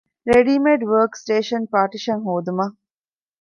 ރެޑީމޭޑް ވާރކް ސްޓޭޝަން ޕާޓިޝަން ހޯދުމަށް